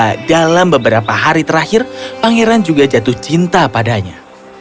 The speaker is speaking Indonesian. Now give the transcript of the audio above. karena dia mengira bahwa dalam beberapa hari terakhir pangeran juga jatuh cinta padanya